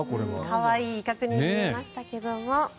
可愛い威嚇に見えましたけども